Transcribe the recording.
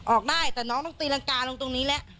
ออกได้แต่น้องต้องตีรังกาลงตรงนี้แล้ว